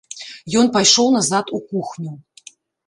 Ён пайшоў назад у кухню.